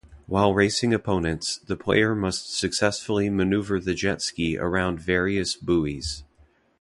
While racing opponents, the player must successfully manoeuvre the Jet Ski around various buoys.